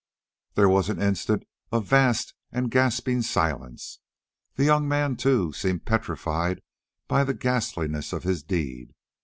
There was an instant of vast and gasping silence. The young man, too, seemed petrified by the ghastliness of his deed.